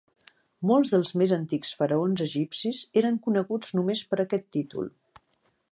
Molts dels més antics faraons egipcis eren coneguts només per aquest títol.